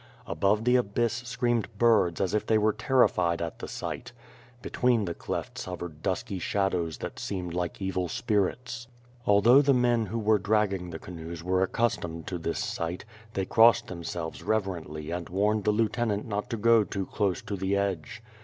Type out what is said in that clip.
Above the abyss screamed birds as if tiiey were ter rified at the sight; between the clefts hovered dusky shadows that seemed like evil spirits. Although the men who were dragging the canoes were ac customed to this sight, they crossed themselves reverently and warned the lieutenant not to go too close to the edge.